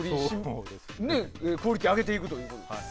クオリティーを上げていくということですね。